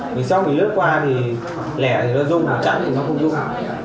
khi sóc thì lướt qua thì lẻ thì nó dung chẳng thì nó cũng dung